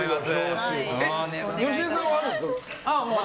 芳根さんはあるんですか？